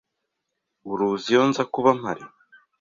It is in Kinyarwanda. Uruzi iyo nzakuba mpari